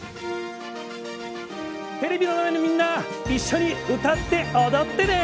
テレビの前のみんな一緒に歌って踊ってね！